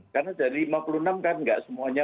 karena dari lima puluh enam kan enggak semuanya